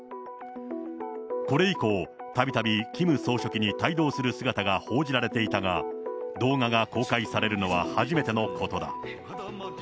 これ以降、たびたびキム総書記に帯同する姿が報じられていたが、動画が公開されるのは初めてのことだ。